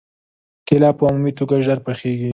کېله په عمومي توګه ژر پخېږي.